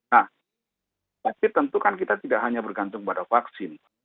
nah tapi tentu kan kita tidak hanya bergantung pada vaksin